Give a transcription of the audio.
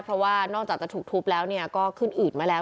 เพราะว่านอกจากจะถูกทุบแล้วก็ขึ้นอืดมาแล้ว